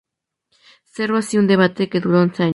Cerró así un debate que duró once años.